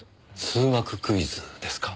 数学クイズですか。